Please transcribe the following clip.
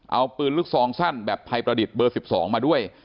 เอาปืนลูกซองสั้นแบบไทยประดิษฐ์เบอร์๑๒มาด้วย